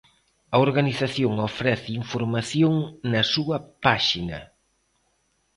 A organización ofrece información na súa páxina.